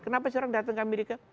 kenapa si orang datang ke amerika